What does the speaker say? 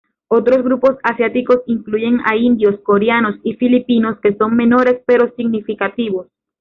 Otros grupos asiáticos incluyen a indios, coreanos y filipinos que son menores pero significativos.